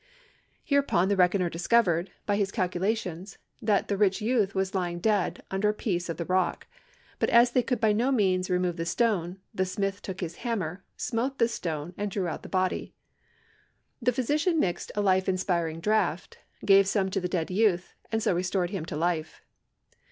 Hereupon the reckoner discovered, by his calculations, that the rich youth was lying dead under a piece of the rock; but as they could by no means remove the stone, the smith took his hammer, smote the stone, and drew out the body. Then the physician mixed a life inspiring draught, gave the same to the dead youth, and so restored him to life.